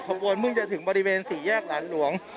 ทหารคบวนพึ่งจะถึงบริเวณศรีแยกฝรั่งหลวง